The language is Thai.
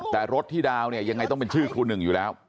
แต่รถที่ดาวเนี่ยยังไงต้องเป็นชื่อครูหนึ่งอยู่แล้ว